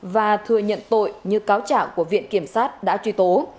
và thừa nhận tội như cáo trạng của viện kiểm sát đã truy tố